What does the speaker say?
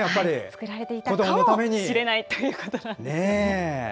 作られていたかもしれないということですね。